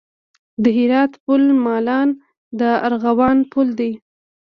د هرات پل مالان د ارغوانو پل دی